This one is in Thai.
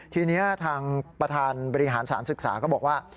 ทีนี้ทางประธานบริหารสารศึกษาก็บอกว่า